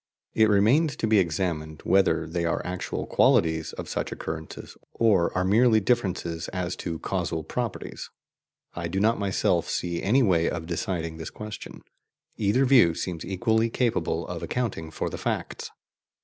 It remains to be examined whether they are actual qualities of such occurrences, or are merely differences as to causal properties. I do not myself see any way of deciding this question; either view seems equally capable of accounting for the facts.